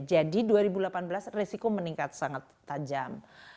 jadi dua ribu delapan belas resiko meningkat sangat tajam